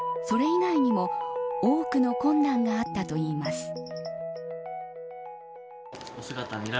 それ以外にも多くの困難があったといいます。